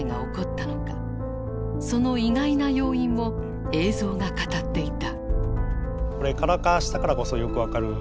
その意外な要因も映像が語っていた。